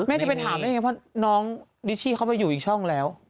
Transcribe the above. จะไปถามได้ยังไงเพราะน้องดิชชี่เขาไปอยู่อีกช่องแล้ว